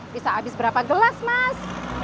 bisa habis berapa gelas mas